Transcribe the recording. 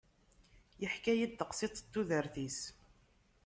Yeḥka-yi-d taqsiṭ n tudert-is.